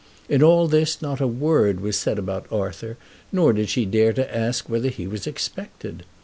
In all this not a word was said about Arthur, nor did she dare to ask whether he was expected.